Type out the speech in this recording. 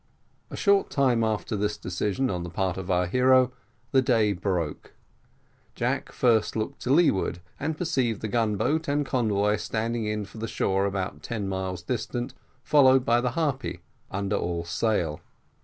A short time after this decision on the part of our hero, the day broke: Jack first looked to leeward, and perceived the gun boat and convoy standing in for the shore about ten miles distant, followed by the Harpy, under all sail.